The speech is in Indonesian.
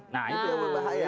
nah itu yang berbahaya